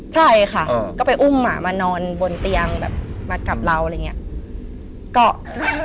ใช่ค่ะก็ไปอุ้มมานอนบนเตียงแบบมากับเราอะไรอย่างนี้